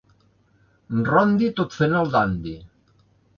Rondi tot fent el dandi.